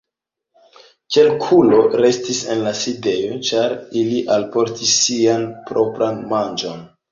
Kelkuloj restis en la sidejo, ĉar ili alportis sian propran manĝon.